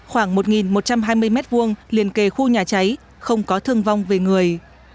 khoảng một một trăm hai mươi m hai liền kề khu nhà cháy không có thương vong về người